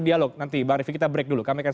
dialog nanti barifi kita break dulu kami akan